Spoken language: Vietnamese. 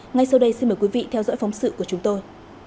ngay sau đây xin mời quý vị theo dõi phóng sự của chúng tôi